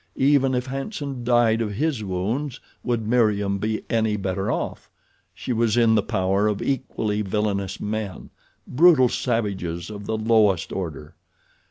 Even if Hanson died of his wounds would Meriem be any better off? She was in the power of equally villainous men—brutal savages of the lowest order.